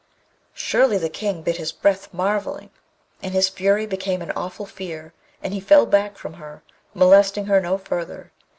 Surely the King bit his breath, marvelling, and his fury became an awful fear, and he fell back from her, molesting her no further.